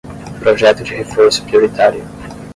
Projeto de reforço prioritário